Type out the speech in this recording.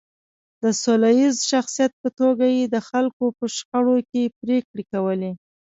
د سوله ییز شخصیت په توګه یې د خلکو په شخړو کې پرېکړې کولې.